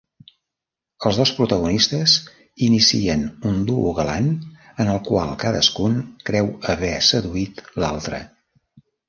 Els dos protagonistes inicien un duo galant en el qual cadascun creu haver seduït l'altre.